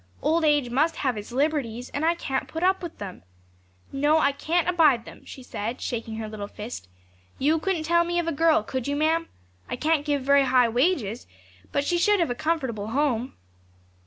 Old age must have its liberties; and I can't put up with them. No, I can't abide them,' she said, shaking her little fist. 'You couldn't tell me of a girl, could you, ma'am? I can't give very high wages, but she should have a comfortable home.'